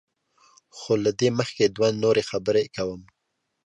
خو له دې مخکې دوه نورې خبرې کوم.